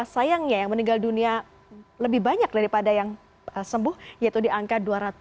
sayangnya yang meninggal dunia lebih banyak daripada yang sembuh yaitu di angka dua ratus